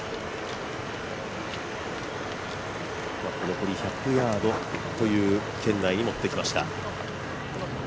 残り１００ヤードという圏内に持ってきました。